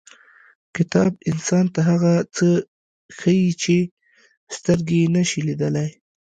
• کتاب انسان ته هغه څه ښیي چې سترګې یې نشي لیدلی.